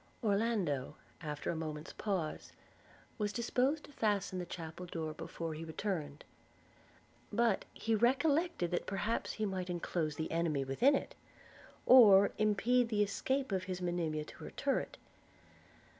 Orlando, after a moment's pause, was disposed to fasten the chapel door before he returned; but he recollected that perhaps he might enclose an enemy within it, or impede the escape of his Monimia to her turret.